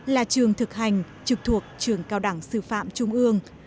là trường thực hành trực thuộc trường cao đẳng sư phạm trung ương